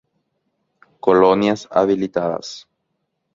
Colonias habilitadas.